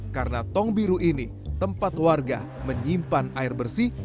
karena tong biru ini tempat warga menyimpan air bersih